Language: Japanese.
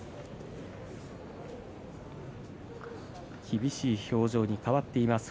厳しい表情に変わっています